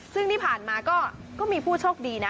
ซึ่งที่ผ่านมาก็มีผู้โชคดีนะ